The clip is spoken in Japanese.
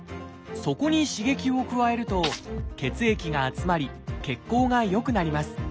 そこに刺激を加えると血液が集まり血行が良くなります。